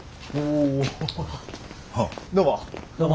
どうも。